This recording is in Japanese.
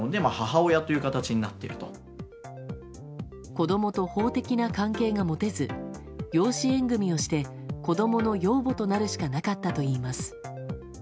子供と法的な関係が持てず養子縁組をして子供の養母となるしかなかったといいます。